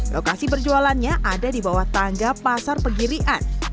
lokasi berjualannya ada di bawah tangga pasar pegirian